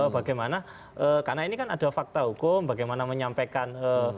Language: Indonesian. bagaimana karena ini kan ada fakta hukum bagaimana menyampaikan